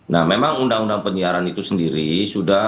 nah memang undang undang penyiaran itu sendiri sudah dua ribu dua